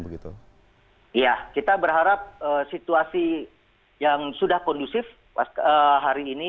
ya kita berharap situasi yang sudah kondusif hari ini